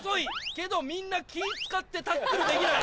けどみんな気使ってタックルできない。